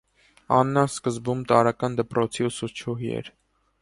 Աննան սկզբում տարրական դպրոցի ուսուցչուհի էր։